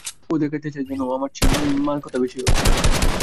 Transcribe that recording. ও দেখাইতে চায়, যেন ও আমার চেয়ে মার কথা বেশি ভাবে।